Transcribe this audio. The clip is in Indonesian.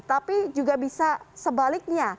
tapi juga bisa sebaliknya